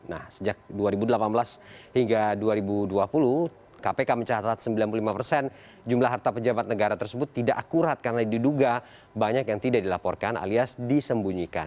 nah sejak dua ribu delapan belas hingga dua ribu dua puluh kpk mencatat sembilan puluh lima persen jumlah harta pejabat negara tersebut tidak akurat karena diduga banyak yang tidak dilaporkan alias disembunyikan